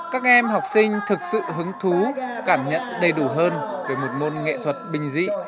các em học sinh thực sự hứng thú cảm nhận đầy đủ hơn về một môn nghệ thuật bình dị